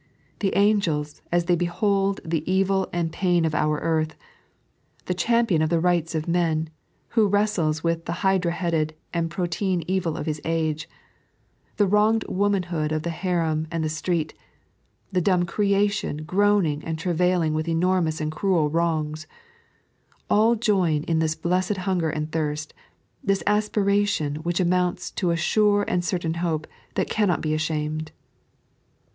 The angels, as they behold the evil and pain of our earth ; the champion of the rights of men, who wrestles with the hydra headed and protean evil of his age ; the wronged womanhood of the harem and the street; the dumb creation, groaning and travailing with enormooB and cruel wrongs — all join in this blessed hunger and thirst, this aspiration which amoants to a sure and certain hope that cannot be ashamed.